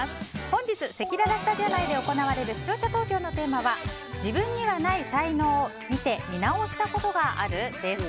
本日せきららスタジオ内で行われる視聴者投票のテーマは自分にない才能を見て見直したことがある？です。